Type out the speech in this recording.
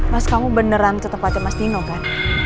mas kamu beneran tetap pacar mas nino kan